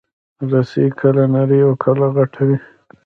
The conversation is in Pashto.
رسۍ کله نرۍ او کله غټه وي.